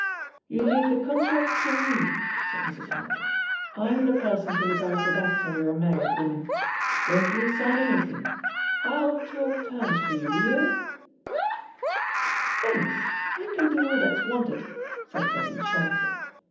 "You leave the contract to me/^ said Mrs. Harper; "I'm the person to look after that till you're a married woman. Don't you sign any thing; ril *talk terms' for you, d'ye hear?" "Thanks, I can do all that's wanted," said Peggy sharply.